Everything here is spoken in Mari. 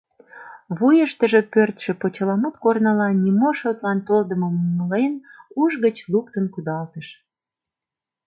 Вуйыштыжо пӧрдшӧ почеламут корныла нимо шотлан толдымым умылен, уш гыч луктын кудалтыш.